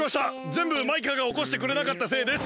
ぜんぶマイカがおこしてくれなかったせいです！